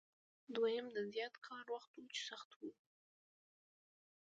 دویم د زیات کار وخت و چې سخت و.